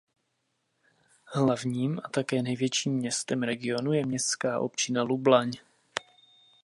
Hlavním a také největším městem regionu je městská občina Lublaň.